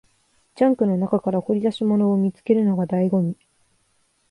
ジャンクの中から掘り出し物を見つけるのが醍醐味